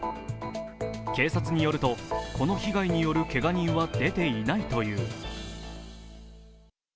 警察によると、この被害によるけが人は出ていないという。